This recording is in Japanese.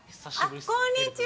こんにちは。